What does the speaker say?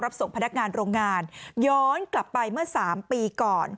ส่งพนักงานโรงงานย้อนกลับไปเมื่อ๓ปีก่อน